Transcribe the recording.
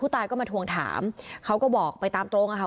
ตายก็มาทวงถามเขาก็บอกไปตามตรงอะค่ะ